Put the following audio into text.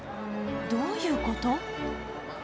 どういうこと？